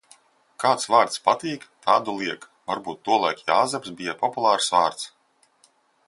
Kāds vārds patīk – tādu liek. Varbūt tolaik Jāzeps bija populārs vārds.